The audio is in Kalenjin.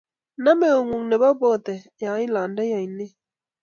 Nam eungung nebo Borther yeilondoi oinet